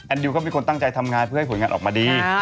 ดิวก็เป็นคนตั้งใจทำงานเพื่อให้ผลงานออกมาดี